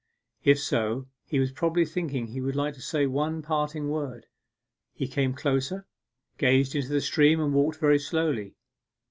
If so, he was probably thinking he would like to say one parting word. He came closer, gazed into the stream, and walked very slowly.